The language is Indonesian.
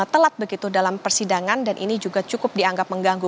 telat begitu dalam persidangan dan ini juga cukup dianggap mengganggu